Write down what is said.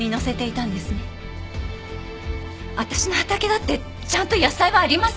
私の畑だってちゃんと野菜はあります！